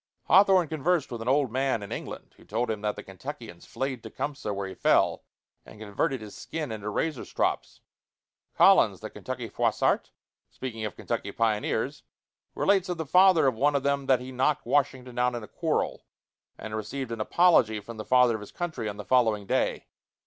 Hawthorne conversed with an old man in England who told him that the Kentuckians flayed Tecumseh where he fell, and converted his skin into razor strops. Collins, the Kentucky Froissart, speaking of Kentucky pioneers, relates of the father of one of them that he knocked Washington down in a quarrel, and received an apology from the Father of his Country on the following day.